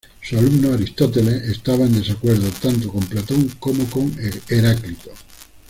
Su alumno, Aristóteles, estaba en desacuerdo tanto con Platón como con Heráclito.